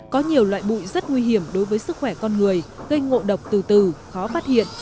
có nhiều loại bụi rất nguy hiểm đối với sức khỏe con người gây ngộ độc từ từ khó phát hiện